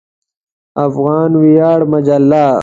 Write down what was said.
افغان ویاړ مجله